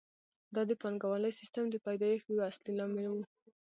دا د پانګوالي سیسټم د پیدایښت یو اصلي لامل وو